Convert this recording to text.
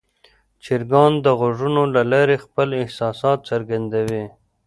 چرګان د غږونو له لارې خپل احساسات څرګندوي.